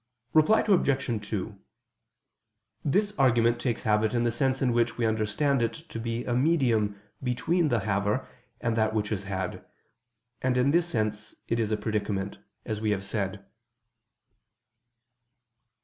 Reply Obj. 2: This argument takes habit in the sense in which we understand it to be a medium between the haver, and that which is had: and in this sense it is a predicament, as we have said.